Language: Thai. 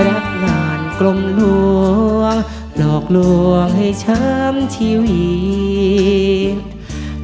รับงานกลมหัวหลอกลวงให้ช้ำชีวิต